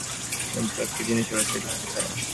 কিন্তু একটা জিনিস ওরা চেটেপুটে খায়।